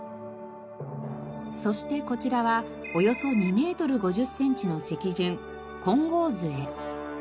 そしてこちらはおよそ２メートル５０センチの石筍金剛杖。